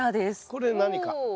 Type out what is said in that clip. これ何か？